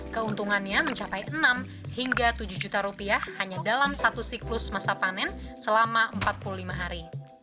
keuntungannya mencapai enam hingga tujuh juta rupiah hanya dalam satu siklus masa panen selama empat puluh lima hari